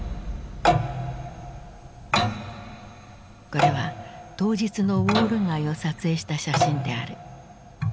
これは当日のウォール街を撮影した写真である。